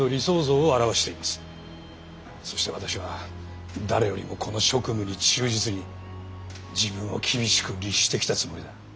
そして私は誰よりもこの職務に忠実に自分を厳しく律してきたつもりだ。